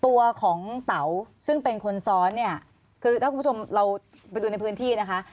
ตัวของเต๋าซึ่งเป็นคนซ้อนเนี่ยคือถ้าคุณผู้ชมเราไปดูในพื้นที่นะคะ